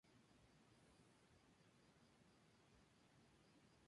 Ibelín fue construido para contener esos ataques y reducirlos a un área más pequeña.